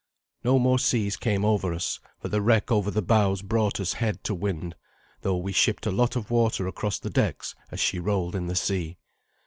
No more seas came over us, for the wreck over the bows brought us head to wind, though we shipped a lot of water across the decks as she rolled in the sea.